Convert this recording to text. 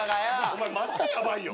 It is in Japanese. お前マジでヤバいよ？